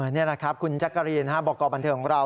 นี่นะครับคุณจักรีนบอกกอบบันเทอมของเรา